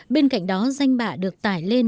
bên cạnh đó danh bạ được tải lên